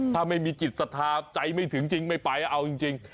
ถ้าไม่มีจิตศรัทธาใจไม่ถึงจริงไม่ไปเอาจริง